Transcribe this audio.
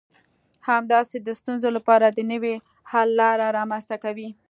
همداسې د ستونزو لپاره د نوي حل لارې رامنځته کوي.